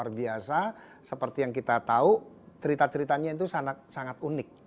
luar biasa seperti yang kita tahu cerita ceritanya itu sangat unik